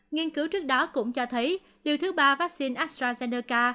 nghiên cứu trước đó cũng cho thấy liệu thứ ba vắc xin astrazeneca